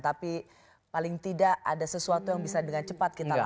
tapi paling tidak ada sesuatu yang bisa dengan cepat kita lakukan